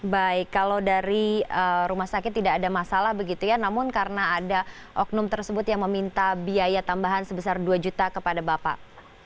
baik kalau dari rumah sakit tidak ada masalah begitu ya namun karena ada oknum tersebut yang meminta biaya tambahan sebesar dua juta kepada bapak